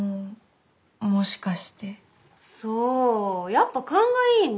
やっぱ勘がいいねえ。